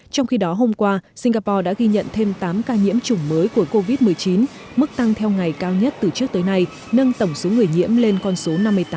trong khi đó hôm qua singapore đã ghi nhận thêm tám ca nhiễm chủng mới của covid một mươi chín mức tăng theo ngày cao nhất từ trước tới nay nâng tổng số người nhiễm lên con số năm mươi tám